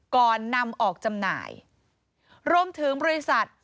ก่อนนำออกจำหน่ายรวมถึงบริษัท